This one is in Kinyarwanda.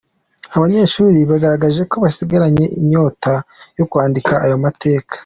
Abanyeshuri bagaragaje ko basigaranye inyota yo kwandika ayo mateka.